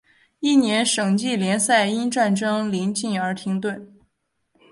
翌年省际联赛因战争临近而停顿。